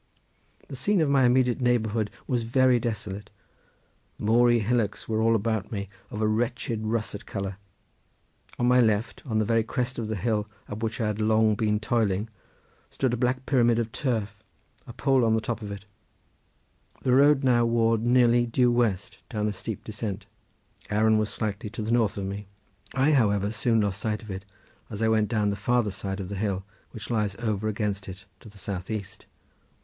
The scene in my immediate neighbourhood was very desolate; moory hillocks were all about me of a wretched russet colour; on my left, on the very crest of the hill up which I had so long been toiling, stood a black pyramid of turf, a pole on the top of it. The road now wore nearly due west down a steep descent, Arran was slightly to the north of me. I, however, soon lost sight of it, as I went down the farther side of the hill which lies over against it to the south east.